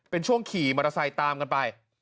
เป็นช่วงขี่มอเตอร์ไซค์ตามกันไป